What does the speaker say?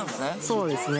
そうですね